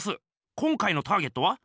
今回のターゲットは？